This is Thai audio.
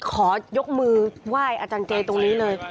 ขอยกมือไหว้อาจารย์เจตรงนี้เลย